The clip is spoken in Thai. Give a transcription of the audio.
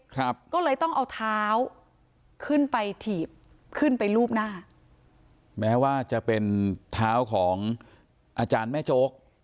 ครับก็เลยต้องเอาเท้าขึ้นไปถีบขึ้นไปลูบหน้าแม้ว่าจะเป็นเท้าของอาจารย์แม่โจ๊ก